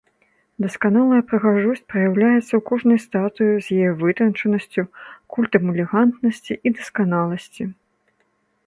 Дасканалая прыгажосць праяўляецца ў кожнай статуі з яе вытанчанасцю, культам элегантнасці і дасканаласці.